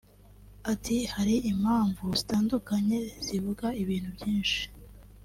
Ati “ Hari impuruza zitandukanye zivuga ibintu byinshi